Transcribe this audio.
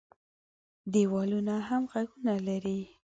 دېوالونو هم غوږونه لري.